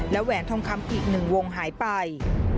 แหวนทองคำอีก๑วงหายไป